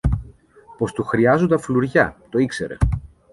Πως του χρειάζουνταν φλουριά, το ήξερε.